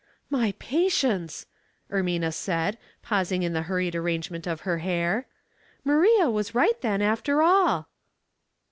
" My patience !" Ermina said, pausing in the hurried arrangement of her hair. " Maria was right then, after all."